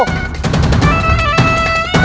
gini juga lah